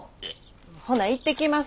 ほな行ってきます。